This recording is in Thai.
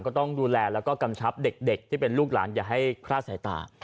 ก็ต้องดูแลแล้วก็กำชับเด็กที่เป็นลูกหลานอย่าให้คลาดสายตา